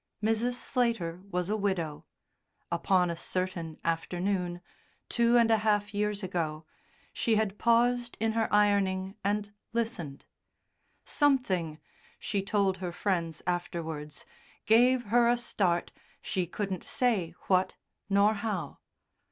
Mrs. Slater was a widow; upon a certain afternoon, two and a half years ago, she had paused in her ironing and listened. "Something," she told her friends afterwards, "gave her a start she couldn't say what nor how."